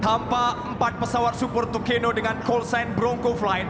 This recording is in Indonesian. tampak empat pesawat support tukeno dengan coltsign bronco flight